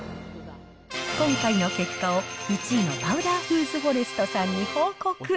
今回の結果を、１位のパウダーフーズフォレストさんに報告。